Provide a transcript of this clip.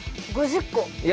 ５０個。